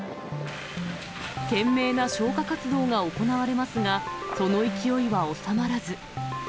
懸命な消火活動が行われますが、その勢いは収まらず。